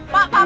pak pak pak